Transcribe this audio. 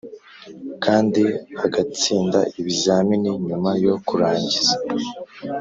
Kandi agatsinda ibizamini nyuma yo kurangiza